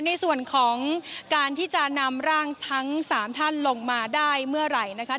ในส่วนของการที่จะนำร่างทั้ง๓ท่านลงมาได้เมื่อไหร่นะคะ